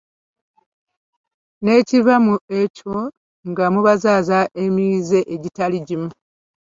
N'ekiva mu ekyo nga mubazaaza emize egitali gimu.